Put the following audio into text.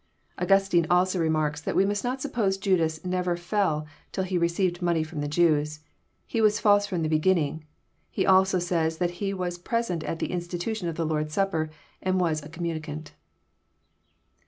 Augustine also remarks that we must not suppose Judas never fell till he received money fh>m the Jews. He was false from the begin ning. He also says that he was present at the institution of the Lord's Supper, and was a communicant.